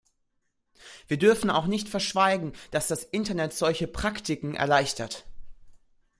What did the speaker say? Wir dürfen auch nicht verschweigen, dass das Internet solche "Praktiken" erleichtert.